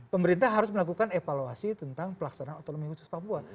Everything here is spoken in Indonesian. pemerintah harus melakukan evaluasi tentang pelaksanaan otonomi khusus papua